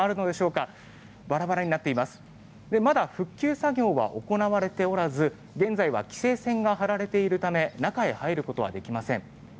まだ復旧作業は行われておらず現在は規制線が張られているため中に入ることはできません。